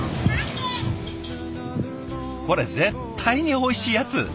これ絶対においしいやつ。